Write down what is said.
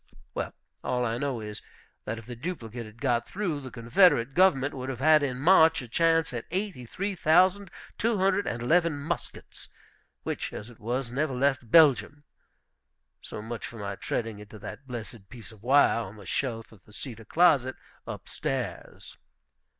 Well, all I know is, that if the duplicate had got through, the Confederate government would have had in March a chance at eighty three thousand two hundred and eleven muskets, which, as it was, never left Belgium. So much for my treading into that blessed piece of wire on the shelf of the cedar closet, up stairs.